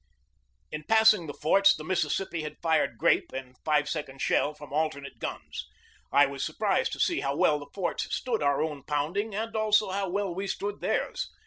In passing the forts the Mississippi had fired grape and five second shell from alternate guns. I was surprised to see how well the forts stood our own pounding and also how well we stood theirs.